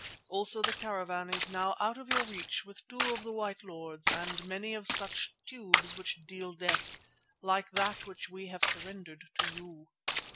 Also the caravan is now out of your reach with two of the white lords and many of such tubes which deal death, like that which we have surrendered to you.